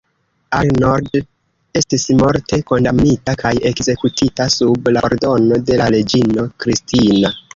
Arnold estis morte kondamnita kaj ekzekutita sub la ordono de la reĝino Kristina.